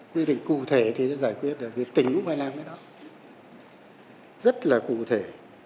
quy định cụ thể thì sẽ giải quyết được tỉnh cũng phải làm cái đó rất là cụ thể